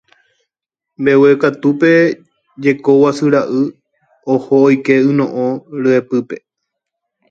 Mbeguekatúpe jeko guasu ra'y oho oike yno'õ ryepýpe.